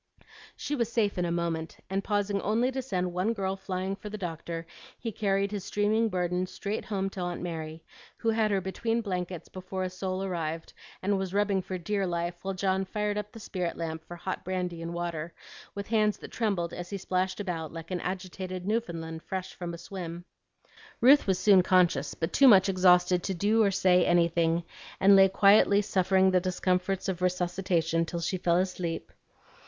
She was safe in a moment, and pausing only to send one girl flying for the doctor, he carried his streaming burden straight home to Aunt Mary, who had her between blankets before a soul arrived, and was rubbing for dear life while John fired up the spirit lamp for hot brandy and water, with hands that trembled as he splashed about like an agitated Newfoundland fresh from a swim. Ruth was soon conscious, but too much exhausted to do or say anything, and lay quietly suffering the discomforts of resuscitation till she fell asleep.